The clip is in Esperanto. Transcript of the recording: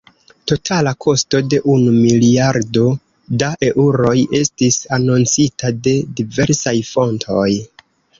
Totala kosto de unu miliardo da eŭroj estis anoncita de diversaj fontoj.